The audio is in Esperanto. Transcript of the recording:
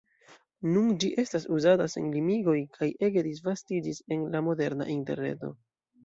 Nun ĝi estas uzata sen limigoj kaj ege disvastiĝis en la moderna Interreto.